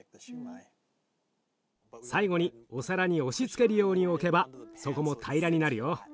最後にお皿に押しつけるように置けば底も平らになるよ。